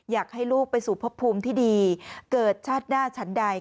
อยากให้ลูกไปสู่พบภูมิที่ดีเกิดชาติหน้าฉันใด